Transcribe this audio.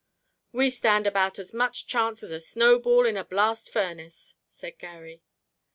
"We stand about as much chance as a snowball in a blast furnace," said Garry.